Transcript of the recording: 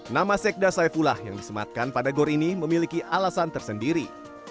nama sekda saifullah yang disematkan pada gor ini memiliki alasan tersendiri